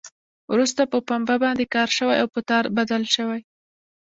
وروسته په پنبه باندې کار شوی او په تار بدل شوی.